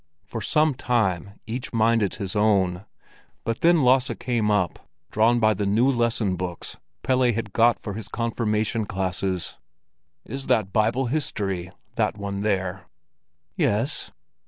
For some time each minded his own; but then Lasse came up, drawn by the new lesson books Pelle had got for his confirmation classes. "Is that Bible history, that one there?" "Yes."